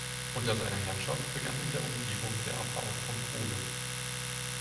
Unter seiner Herrschaft begann in der Umgebung der Abbau von Kohle.